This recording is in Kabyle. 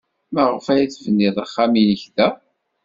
Maɣef ay tebnid axxam-nnek da?